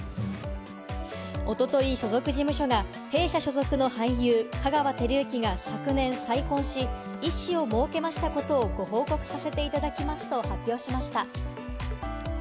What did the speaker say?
おととい所属事務所が弊社所属の俳優・香川照之が昨年再婚し、一子をもうけましたことをご報告させていただきますと発表しました。